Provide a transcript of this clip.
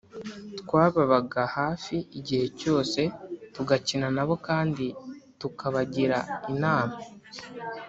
Twababaga hafi igihe cyose, tugakina na bo kandi tukabagira inama